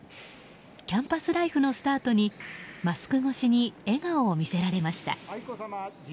キャンパスライフのスタートにマスク越しに笑顔を見せられました。